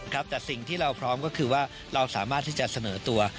ครับแต่สิ่งที่เราพร้อมก็คือว่าเราสามารถที่จะเสนอตัว